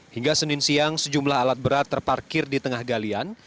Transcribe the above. hingga senin siang sejumlah alat berat terparkir di tengah galian